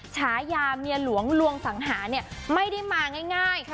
ฉายาเมียหลวงลวงสังหาเนี่ยไม่ได้มาง่าย